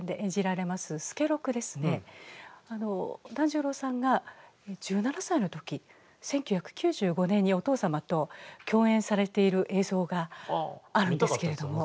團十郎さんが１７歳の時１９９５年にお父様と共演されている映像があるんですけれども。